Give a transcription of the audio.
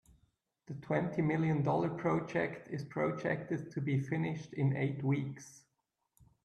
The twenty million dollar project is projected to be finished in eight weeks.